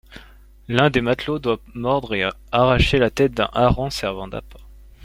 L'un des matelots doit mordre et arracher la tête d'un hareng servant d'appât.